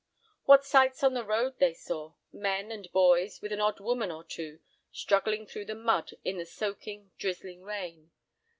What sights on the road they saw! Men and boys, with an odd woman or two, struggling through the mud in the soaking, drizzling rain!